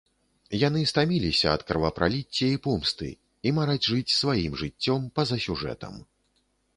Яны стаміліся ад кровапраліцця і помсты і мараць жыць сваім жыццём па-за сюжэтам.